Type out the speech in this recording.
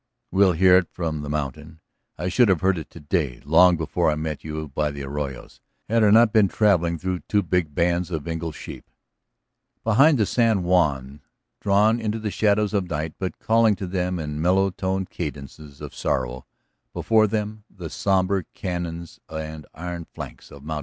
"We'll hear it from the mountain. I should have heard it to day, long before I met you by the arroyo, had I not been travelling through two big bands of Engle's sheep." Behind them San Juan drawn into the shadows of night but calling to them in mellow toned cadences of sorrow, before them the sombre canons and iron flanks of Mt.